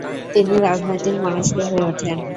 তিনি রাজনৈতিক মনস্ক হয়ে ওঠেন।